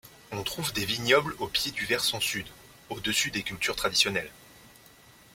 On trouve des vignobles au pied du versant sud, au-dessus des cultures traditionnelles.